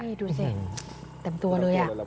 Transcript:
นี่ดูสิเต็มตัวเลย